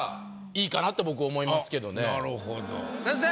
なるほど先生！